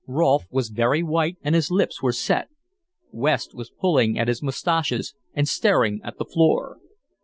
Rolfe was very white and his lips were set; West was pulling at his mustaches and staring at the floor.